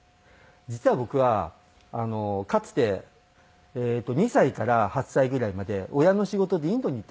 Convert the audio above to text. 実は僕はかつて２歳から８歳ぐらいまで親の仕事でインドに行ってました。